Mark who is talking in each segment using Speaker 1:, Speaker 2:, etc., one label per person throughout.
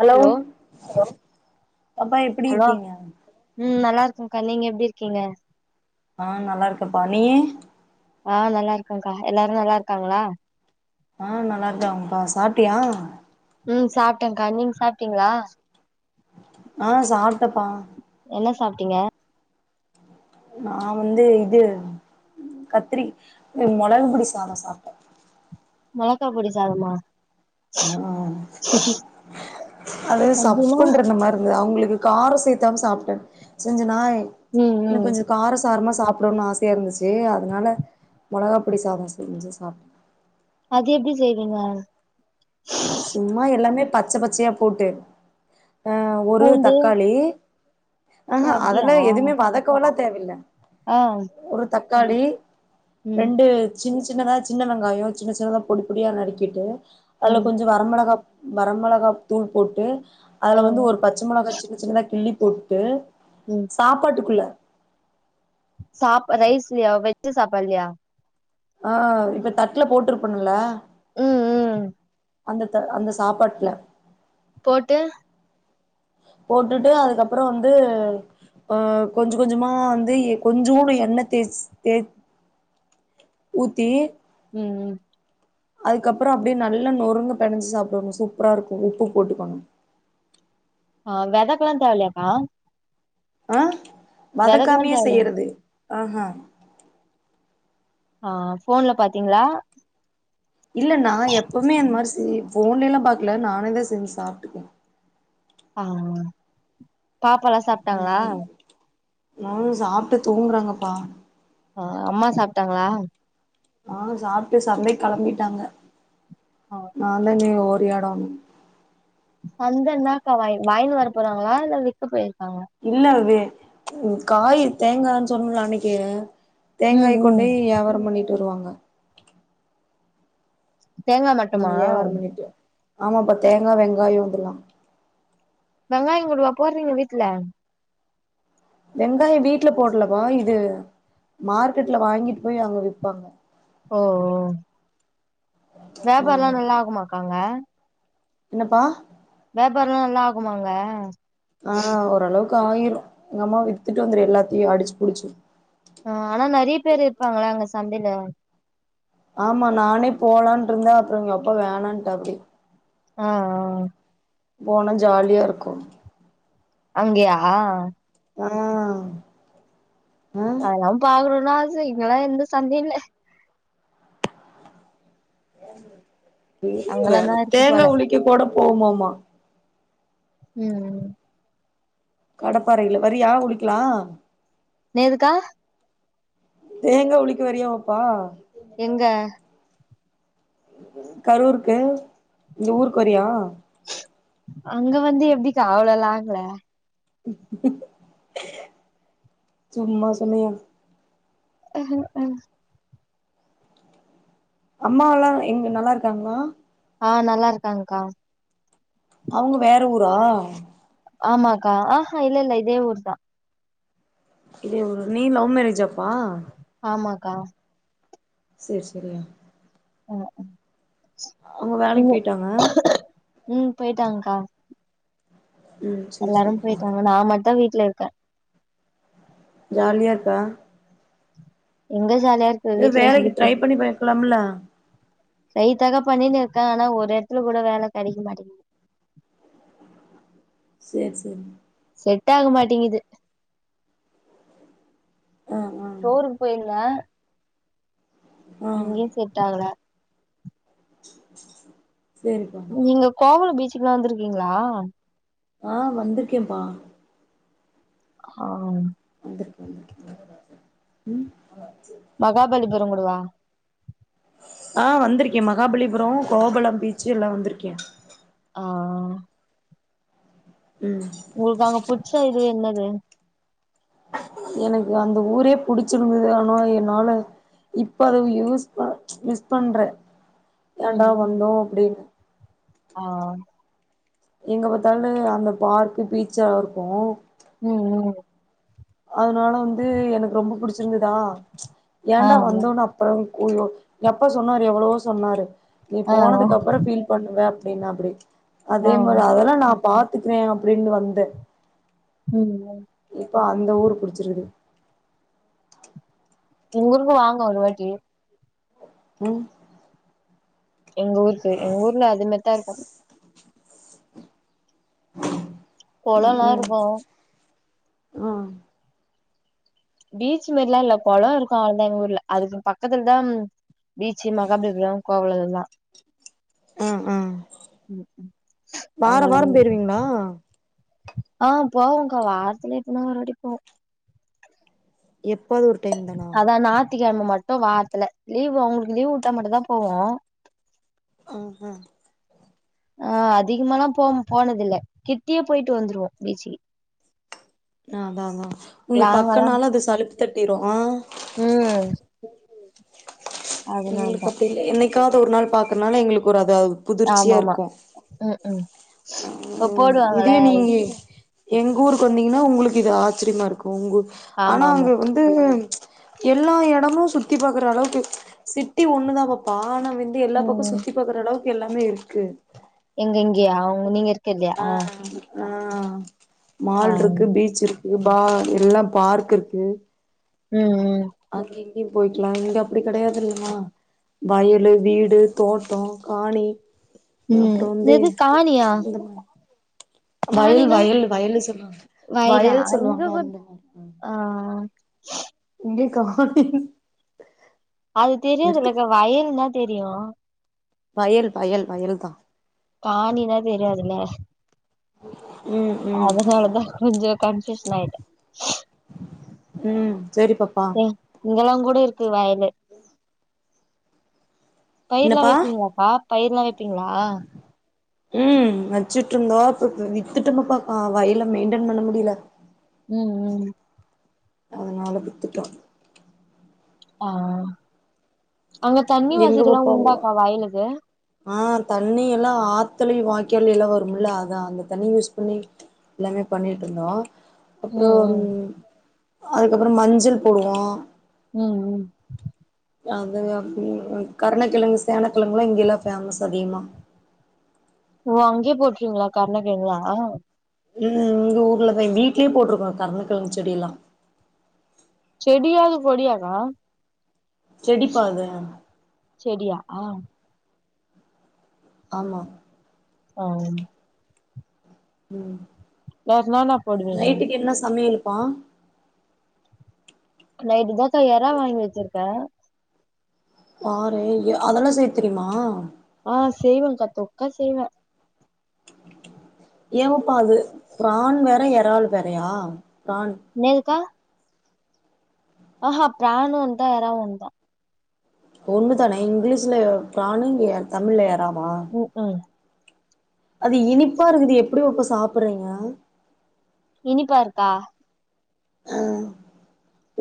Speaker 1: hello அப்பா எப்டி
Speaker 2: hello
Speaker 1: இருக்கீங்க
Speaker 2: ம் நல்லாருக்கக்கா நீங்க எப்டி இருக்கீங்க
Speaker 1: ஆ நல்லாருக்கப்பா நீயி
Speaker 2: ஆ நல்லாருக்கக்கா எல்லாரு நல்லாருக்காங்ளா
Speaker 1: ஆ நல்லாருக்காங்ப்பா சாப்ட்டியா
Speaker 2: ம் சாப்ட்டேக்கா நீங்க சாப்பிட்டீங்ளா
Speaker 1: ஆ சாப்ட்டப்பா
Speaker 2: என்ன சாப்ட்டீங்க
Speaker 1: நா வந்து இது கத்திரி மொளகுபொடி சாத சாப்ட்டே
Speaker 2: மொளகா பொடி சாதமா
Speaker 1: ஆ அது
Speaker 2: அப்டின்னா
Speaker 1: சப்புண் இருந்த மாரி இருந்தது அவுங்களுக்கு காரோ சேத்தாம் சாப்ட்டே செஞ்சனாய்
Speaker 2: ம்
Speaker 1: இன்னு
Speaker 2: ம்
Speaker 1: கொஞ்சோ கார சாரம சாப்டனு ஆசையா இருந்துச்சு அதனால மொளகாப் பொடி சாதோ செஞ்சு சாப்
Speaker 2: அது எப்டி செய்வீங்க
Speaker 1: சும்மா எல்லாமே பச்ச பச்சயா போட்டு ஆ ஒரு
Speaker 2: பூண்டு
Speaker 1: தக்காளி ஆ
Speaker 2: ஓ
Speaker 1: ஹூ
Speaker 2: அப்டியா
Speaker 1: அதெல்லா எதுமே வதக்கவல்லா தேவ இல்ல
Speaker 2: ஆம்
Speaker 1: ஒரு தக்காளி ரெண்டு சின் சின்னதா சின்ன வெங்காயோ சின்ன சின்னதா பொடி பொடியா நறிக்கிட்டு
Speaker 2: ம்
Speaker 1: ஞ்ச வரமிளகாப் வரமிளகாத்தூள் போட்டு
Speaker 2: ஆ
Speaker 1: அதுல வந்து ஒரு ப ச்ச மிளகா சின்ன சின்னதா கிள்ளி போட்டு
Speaker 2: ம்
Speaker 1: சாப்பாட்டுக்குள்ள
Speaker 2: சாப்பா ரைஸ்லையா வெஜ் சாப்பாடுலையா
Speaker 1: ஆ இப்ப தட்டுல போட்டுருப்பணுல
Speaker 2: ம் ம்
Speaker 1: அந்த த அந்த சாப்பாட்ல
Speaker 2: போட்டு
Speaker 1: போட்டுட்டு அதுக்கப்புறோ வந்து அ கொஞ்சோ கொஞ்சமா வந்து கொஞ்சோனு எண்ணெய் தேச்ட் தே ஊத்தி
Speaker 2: ம்
Speaker 1: அதுக்கப்புறோ அப்டியே நல்ல நொறுங்க பினைஞ்சு சாப்டணு சூப்பராருக்கு உப்பு போட்டுக்கணு
Speaker 2: ஆ வேதக்கல்லா தேவல்லையாக்கா
Speaker 1: ஆ
Speaker 2: வெதக்கெல்லா
Speaker 1: வதக்காமையே
Speaker 2: தேவல
Speaker 1: செய்றது ஆஹா
Speaker 2: ஆ ஃபோன்ல பாத்தீங்களா
Speaker 1: இல்ல நா எப்பவுமே அந்த மாரி ஃபோன்ல எல்லா பாக்கல நானேதா செஞ்சு சாப்ட்டுக்குவ
Speaker 2: ஆஹ பாப்பால்லா சாப்
Speaker 1: ம் ம் நாங்களு சாப்ட்டு தூங்குறாங்கப்பா
Speaker 2: ம் அம்மா சாப்ட்டாங்ளா
Speaker 1: அ சாப்ட்டு சந்தைக் களம்பிட்டாங்க
Speaker 2: ஆ
Speaker 1: நா தா நீங்க ஒரு எடோ
Speaker 2: சந்தனாக்கா வாய் வாயின்னு வர போறாங்ளா இல்ல விக்க போயிருக்காங்க
Speaker 1: இல்ல அது காய் தேங்கான்னு சொன்னல்ல அன்னைக்கே
Speaker 2: ம்
Speaker 1: தேங்காய்
Speaker 2: ம்
Speaker 1: கொண்டேய் வியாபாரோ பண்ணிட்டு வருவாங்க
Speaker 2: தேங்கா
Speaker 1: அங்க
Speaker 2: மட்டுமா
Speaker 1: வியாபாரோ பண்ணிட்டு ஆமாப்பா தேங்கா வெங்காயோ இதல்லா
Speaker 2: வெங்காயோ கூடவா போறீங்க வீட்ல
Speaker 1: வெங்காயோ வீட்ல போட்லப்பா இது மார்க்கெட்ல வாங்கிட்டு போய் அங்க விப்பாங்க
Speaker 2: ஓ ஓ
Speaker 1: ஆ
Speaker 2: வியாபாரல்லா நல்லா ஆகுமாக்கா அங்க
Speaker 1: என்னப்பா
Speaker 2: வியாபாரல்லா நல்லா ஆகுமா அங்க
Speaker 1: அ ஓரளவுக்கு ஆயிரு எங்க அம்மா வித்துட்டு வந்துரு எல்லாத்தையோ அடிச்சு புடிச்சு
Speaker 2: அ ஆனா நறைய பேரு இருப்பாங்கள அங்க சந்தையில
Speaker 1: ஆமா நானே போலான்ருந்த அப்றோ எங்க அப்பா வேணான்ட்டாப்புடி
Speaker 2: அ அ
Speaker 1: போனா ஜாலியாருக்கு
Speaker 2: அங்கேயா
Speaker 1: அ
Speaker 2: அதல்லா பாக்கணுன்னு ஆச இங்கல்லா எந்த சந்தையு இல்ல அங்கெல்லாந்தா
Speaker 1: [unintelligible]
Speaker 2: இருக்கு
Speaker 1: தேங்கா
Speaker 2: போல
Speaker 1: உலிக்க போட போம்மாமா
Speaker 2: ம் ம்
Speaker 1: கடப்பாறையில வரியா உளிக்கலா
Speaker 2: என்னேதுக்கா
Speaker 1: தேங்கா உளிக்க வரியா பாப்பா
Speaker 2: எங்க
Speaker 1: கரூருக்கு இங்க ஊருக்கு வரியா
Speaker 2: அங்க வந்து எப்டிக்கா அவ்ளோ லாங்குல
Speaker 1: சும்மா சொன்னய்யா
Speaker 2: அ
Speaker 1: அம்மாலா எங்க நல்லா இருக்காங்ளா
Speaker 2: அ நல்லா இருக்காங்க்கா
Speaker 1: அவுங்க வேற ஊரா
Speaker 2: ஆமாக்கா ஆஹா இல்ல இல்ல இதே ஊர்தா
Speaker 1: இதே ஊரு நீ லவ் மேரேஜாப்பா
Speaker 2: ஆமாக்கா
Speaker 1: சேரி சேரியா அவங்க வேலைக்கு
Speaker 2: இல்ல
Speaker 1: போயிட்டாங்க
Speaker 2: ம் போயிட்டாங்க்கா
Speaker 1: ம் சேரி
Speaker 2: எல்லாரு
Speaker 1: சேரிப்பா
Speaker 2: போயிட்டாங்க நா மட்டு வீட்ல இருக்க
Speaker 1: ஜாலியா இருக்க
Speaker 2: எங்க ஜாலியா இருக்
Speaker 1: எதா வேலைக்கு ட்ரை பண்ணி பாக்கலாம்ல
Speaker 2: ட்ரை தாக்கா பண்ணினு இருக்க ஆனா ஒரு எடத்துல கூட வேல கெடைக்க மாட்டிகிது
Speaker 1: சேரி சேரி
Speaker 2: செட்டாக மாட்டேங்கிது
Speaker 1: ஆ ஆ
Speaker 2: ஸ்டோருக்கு போயிருந்த
Speaker 1: ஆ
Speaker 2: அங்கயு செட் ஆகல
Speaker 1: சேரிப்பா
Speaker 2: நீங்க கோவல பீச்சுக்கு எல்லா வந்திருக்கீங்களா
Speaker 1: ஆ வந்திருக்கேப்பா
Speaker 2: ஆ
Speaker 1: வந்திருக் வந்திருக் ஆ சரி
Speaker 2: மகாபலிபுரங்கூடவா
Speaker 1: ஆ வந்திருக்கே மகாபலிபுர கோபல பீச்சு எல்லா வந்திருக்கே
Speaker 2: ஆ
Speaker 1: ம்
Speaker 2: உங்களுக்கு அங்க புச்ச இது என்னது
Speaker 1: எனக்கு அந்த ஊரே புடிச்சிருந்தது ஆனா என்னால இப்ப அது யூஸ் ப மிஸ் பண்ற
Speaker 2: ம்
Speaker 1: ஏன்டா
Speaker 2: ம்
Speaker 1: வந்தோ அப்டினு
Speaker 2: ஆ
Speaker 1: எங்க பாத்தாலு அந்த பார்க்கு பீச்சல் இருக்கு
Speaker 2: ம் ம்
Speaker 1: அதனால வந்து எனக்கு ரொம்ப புடிச்சிருந்ததா
Speaker 2: ஆ
Speaker 1: ஏன்டா வந்தோன் அப் அப்புற குயிவோ எப்ப சொன்னாரு எவ்வளவோ சொன்னாரு நீ
Speaker 2: ஆ
Speaker 1: போனதுக்கு அப்புற ஃபீல் பண்ணுவ அப்டின்னாப்டி
Speaker 2: ஆ
Speaker 1: அதே மாரி
Speaker 2: ம்
Speaker 1: அதெல்லா நா பாத்துக்குவே அப்டினு வந்த
Speaker 2: ம்
Speaker 1: இப்போ அந்த ஊரு புடிச்சிருது
Speaker 2: எங்க ஊருக்கு வாங்க ஒரு வாட்டி
Speaker 1: ம்
Speaker 2: எங்க ஊருக்கு எங்க ஊர்ல அது மாதி தா இருக்கு
Speaker 1: ம்
Speaker 2: கொளோல்லா
Speaker 1: ம்
Speaker 2: இருக்கு
Speaker 1: ம்
Speaker 2: பீச் மாரிலா இல்ல கொளோ இருக்கு அவ்ளதா எங்க ஊர்ல அதுக்கு பக்கத்துல தா பீச்சு மகாபலிபுரம் கோவல இதுல்லா
Speaker 1: ஆ ஆ
Speaker 2: உம்
Speaker 1: வார
Speaker 2: அவ்வளதானே
Speaker 1: வாரம் போயிருவீங்களா
Speaker 2: ஆ போவோங்கா வாரத்துல எப்பனா ஒருவாட்டி போவோ
Speaker 1: எப்பாவது ஒருடைம்
Speaker 2: அதா நாயித்து கெழம மட்டு வாரத்துல லீவ் உங்களுக்கு லீவ் விட்டா மட்டு தா போவோ
Speaker 1: ஆ ஆ
Speaker 2: ஆ அதிகமலா போ போனத இல்ல கிட்டியே போயிட்டு வந்துருவோ பீச்சுக்கு
Speaker 1: ஆ அதா அதா உங்களுக்கு பக்க நாள அது சலுப்பு தட்டிரு
Speaker 2: உம்
Speaker 1: எங்களுக்கு அப்படி இல்ல என்னைக்காவது ஒரு நாள் பாக்குறனால எங்களுக்கு ஒரு அது
Speaker 2: ஆமாமா உம் உம்
Speaker 1: உம் இதுவே நீங்க எங்க ஊருக்கு வந்தீங்கன்னா உங்களுக்கு இது ஆச்சரியமா இருக்கு உங்க ஆனா
Speaker 2: ஆமா ஆமா
Speaker 1: அங்க வந்து து ம்ச் எல்லா எடமு சுத்தி பாக்குற அளவுக்கு இருக்கு சிட்டி ஒண்ணுதா வானம் வந்து எல்லா பக்கோ
Speaker 2: ம்
Speaker 1: சுத்தி பாக்குற அளவுக்கு எல்லாமே இருக்கு
Speaker 2: எங்க எங்கயா அவங்க நீங்க இருக்க இல்லையா
Speaker 1: ஆ ஆ மால்
Speaker 2: ம்
Speaker 1: இருக்கு பீச் இருக்கு பா எல்லா பார்க் இருக்கு
Speaker 2: உம் உம்
Speaker 1: அங்கியு இங்கயு போய்க்கலா இங்க அப்படி கெடையாது இல்லமா வயல வீடு தோட்டோ காணி ஆ
Speaker 2: ம்
Speaker 1: அப்புறோ வந்து
Speaker 2: எது காணியா
Speaker 1: இந்த வயல்
Speaker 2: காணினா
Speaker 1: வயல் வயல் சொல்லுவாங்க
Speaker 2: வயலா
Speaker 1: வயல்
Speaker 2: இங்க
Speaker 1: சொல்லுவாங்க
Speaker 2: கூட்
Speaker 1: அந்த மாரி
Speaker 2: ஆ
Speaker 1: இங்க காட்டின்
Speaker 2: அது தெரியது இல்லக்கா வயல் தா தெரியு
Speaker 1: வயல் வயல் வயல் தா
Speaker 2: பாணினா தெரியாதுல
Speaker 1: உம்
Speaker 2: அதனாலதா கொஞ்சு கன்ஃபியூஷ் ஆயிட்ட
Speaker 1: உம் சரி பாப்பா
Speaker 2: இங்கல்லா கூட இருக்கு வயலு பயிரு எலா
Speaker 1: என்னப்பா
Speaker 2: வைப்பீங்களாக்கா பயிர எலா வைப்பீங்களா
Speaker 1: உம் வச்சுட்டு இருந்தோ இப்ப வித்துட்டோமப்பா வயல் மெயின்டெயன் பண்ண முடியல
Speaker 2: உம் உம்
Speaker 1: அதனால வித்துட்டோ
Speaker 2: ஆ அங்க தண்ணி
Speaker 1: எங்க
Speaker 2: வசதில்லா
Speaker 1: பாப்பாவா
Speaker 2: உண்டாக்கா வயலுக்கு
Speaker 1: ஆ தண்ணி எல்லா ஆத்தலையு வாய்க்காலையு எல்லா வரும்ல அதா அந்த தண்ணி யூஸ் பண்ணி எல்லாமே பண்ணிட்டு இருந்தோ அப்புறோ
Speaker 2: ம் ம்
Speaker 1: அதுக்கப்புறோ மஞ்சள் போடுவோ
Speaker 2: உம் உம்
Speaker 1: அதாங்க அப் கருணக்கெழங்கு சேனக்கெழங்குல்லா இங்கல்லா பேமஸ் அதிகமா
Speaker 2: ஓ அங்கயே போட்டக்கீங்களா கருணகெழங்கலா
Speaker 1: உம் இங்க ஊர்லதா வீட்லயே போட்டிருக்கோ கருணக்கெழங்கு செடி எல்லா
Speaker 2: செடியாவது கொடியாகா
Speaker 1: செடிப்பா அது
Speaker 2: செடியா
Speaker 1: ஆமா
Speaker 2: ஆம்
Speaker 1: ம்
Speaker 2: வேற என்னன்னா போடுவீங்க
Speaker 1: நைட்டுக்கு என்ன சமையல்ப்பா
Speaker 2: நைட்டு தோச எறா வாங்கி வச்சிருக்கே
Speaker 1: பாரே எ அதெல்லா செய்ய தெரியுமா
Speaker 2: ஆ செய்வேங்க்கா தொக்கா செய்வே
Speaker 1: ஏவப்பா அது பிரான் வேற எறால் வேறையா பிரான்
Speaker 2: என்னதுக்கா ஆஹா பிரானு ஒன்தா எறாவு ஒன்தா
Speaker 1: ஒன்னுதானே இங்கிலீஷ்ல பிரான்னு எ தமிழ்ல எறாவா
Speaker 2: ம்ஹும்
Speaker 1: அது இனிப்பா இருக்குது எப்டி பாப்பா சாப்புடுறீங்க
Speaker 2: இனிப்பா இருக்கா
Speaker 1: ம்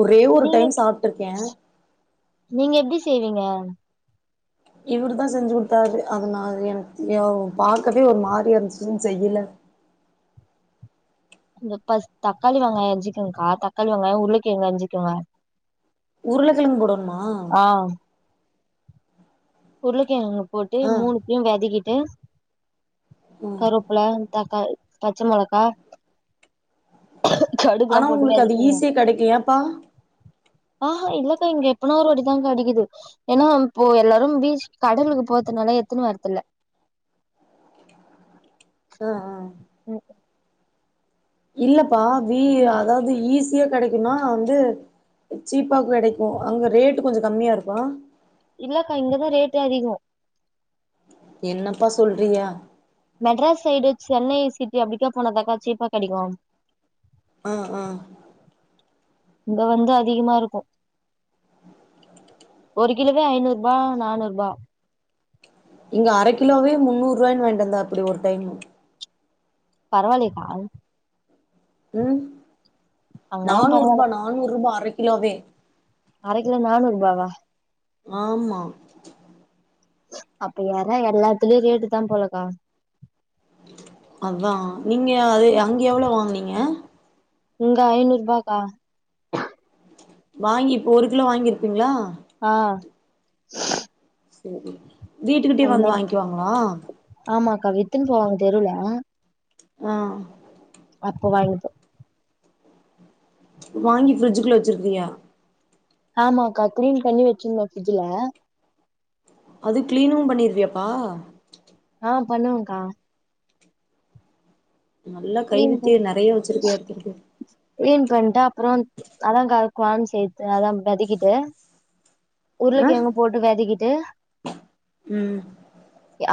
Speaker 1: ஒரே ஒரு
Speaker 2: நீங்க
Speaker 1: டைம் சாப்ட்டுருக்கே
Speaker 2: நீங்க எப்டி செய்வீங்க
Speaker 1: இவர் தா செஞ்சு குடுத்தாரு அது நா அது எனக்கு எதோ பாக்கவே ஒரு மாரியா இருந்துச்சின்னு செய்யல
Speaker 2: இந்த ஃபஸ் தக்காளி வெங்காயோ எஞ்சுக்கோனுக்கா தக்காளி வெங்காயோ உருளகெழங்கு அஞ்சுக்குவே
Speaker 1: உருளக்கெழங் போடணுமா
Speaker 2: ஆ உருளைக்கெழங்கு போட்டு
Speaker 1: ஆ
Speaker 2: மூணுத்தையு வெதக்கிட்டு
Speaker 1: ம்
Speaker 2: கருவப்புல தக்காளி பச்ச மொளகா கடுகுலா
Speaker 1: ஆனா
Speaker 2: போட்டு
Speaker 1: உங்களுக்கு அது
Speaker 2: வெதக்கிடுங்க
Speaker 1: ஈஸியா கெடைக்கு ஏப்பா
Speaker 2: ஆஹ இல்லக்கா இங்க எப்பனா ஒரு வாட்டிதா கெடைக்குது ஏனா இப்போ எல்லாரும் பீச் கடலுக்கு போறதுனால எத்துன்னு வரதுல்ல
Speaker 1: ஆ அ
Speaker 2: ம்
Speaker 1: இல்லப்பா வி
Speaker 2: ம்
Speaker 1: அதாவ்து ஈஸியா கெடைக்குனா வந்து ஷீப்பாக் கெடைக்கு அங்கே ரேட்டு் கொஞ்சொ கம்மியா இருக்கோ
Speaker 2: இல்லக்கா இங்கதா ரேட்டு அதிகோ
Speaker 1: என்னப்பா சொல்றியா
Speaker 2: மெட்ராஸ் சைடு சென்னை சிட்டி அப்டிக்கா போனதாக்கா சீப்பா கெடைக்கு
Speaker 1: ஆ ஆ
Speaker 2: இங்க வந்து அதிகமா இருக்கு ஒரு கிலோவே ஐநூரூபா நானூரூபா
Speaker 1: இங்க அர கிலோவே முன்னூறுவா வாங்கிட் வந்தாப்டி ஒரு டைம்
Speaker 2: பரவால்லைக்கா
Speaker 1: ம்
Speaker 2: அங்கெல்லா பரவால்ல
Speaker 1: நானூரூபா நானூரூபா அர கிலோவே
Speaker 2: அர கிலோ நானூரூபாவா
Speaker 1: ஆமா
Speaker 2: அப்ப எறா எல்லாத்துலயு ரேட்டு தா போலக்கா
Speaker 1: அதா நீங்க அது அங்கே எவ்ளோ வாங்குனீங்க
Speaker 2: இங்க ஐநூரூபாக்கா
Speaker 1: வாங்கி இப்போ ஒரு கிலோ வாங்கியிருப்பீங்ளா
Speaker 2: ஆ
Speaker 1: செரி வீட்டுக்கிட்டயே வந்து வாங்க்கிவாங்களா
Speaker 2: ஆமா அக்கா வித்துன்னு போவாங்க தெருல
Speaker 1: ம்
Speaker 2: அப்போ வாங்கித்தோ
Speaker 1: வாங்கி ஃப்ரிட்ஜுக்குள்ள வச்சிருக்கியா
Speaker 2: ஆமா அக்கா கிளீன் பண்ணி வச்சிருந்தோ ஃப்ரிட்ஜல
Speaker 1: அது கிளீனு பண்ணிருவியாப்பா
Speaker 2: ஆ பண்ணுவகா
Speaker 1: நல்லா
Speaker 2: கிளீன்
Speaker 1: கைவித்தைய நெறைய வச்சிருபியாட் தெரிது
Speaker 2: க்ளீன் பண்டு அப்றோ அதான் க குவான்னு ச அதான் வெதக்கிட்டு
Speaker 1: ஆ
Speaker 2: உருளைக்கெழங்கு போட்டு வேதக்கிட்டு
Speaker 1: ம்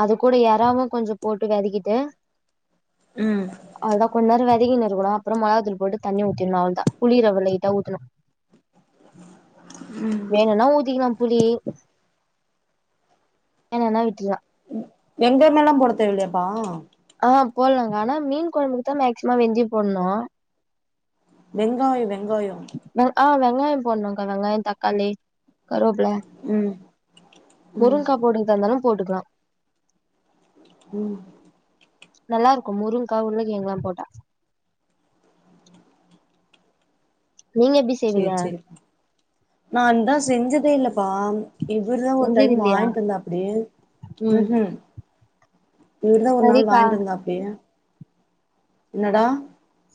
Speaker 2: அது கூட ஏறாவும் கொஞ்ச போட்டு வெதக்கிட்டு
Speaker 1: ம்
Speaker 2: அவதா கொஞ்ச நேரோ வெதக்கின்னுருக்கன்னு அப்பற மொளகாத்துள் போட்டு தண்ணி ஊத்திடணு அவளதா புளி லைட் ஆ உத்தனு வேணுன்னா ஊதிக்கன்னு புளி என்ன வேண விட்டுலா
Speaker 1: வெங்கயமல்லா போட தேவல்லையாப்பா
Speaker 2: ஆ போடலாங்க ஆனா மீன் கொழம்புக்கு தா மேக்சிமம் வெந்திய போடணு
Speaker 1: வெங்காய வெங்காயோ
Speaker 2: வெ ஆ வெங்காய போடணும்க்கா வெங்காய தக்காளி கருவேப்பில
Speaker 1: ம் ம்
Speaker 2: முருங்கா போடுறதாருந்தாலு போட்டுக்கலா
Speaker 1: ம்
Speaker 2: நல்லாருக்கு முருங்கா உருளைக்கெழங்குங்கெல்லா போட்டா நீங்க பிசி
Speaker 1: சேர் செரி நான்ந்தான் செஞ்சதே இல்லப்பா இவர்தா ஒரு
Speaker 2: செஞ்சது
Speaker 1: டைம்
Speaker 2: இல்லையா
Speaker 1: வாங்கிட்டு வந்தாபிடி ம் ஹும் இவர்தா ஒரு நாள்
Speaker 2: சரிக்கா
Speaker 1: வாங்கிட்வந்தாப்டி என்னடா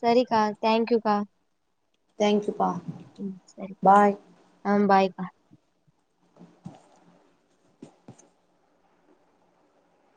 Speaker 2: செரிக்கா தேங்க்யூ கா
Speaker 1: தேங்க் யூ பா
Speaker 2: ம் செரி ஆ பாய்க்கா